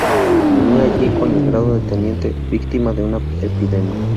Murió allí con el grado de teniente, víctima de una epidemia.